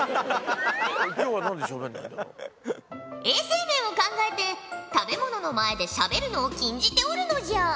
衛生面を考えて食べ物の前でしゃべるのを禁じておるのじゃ。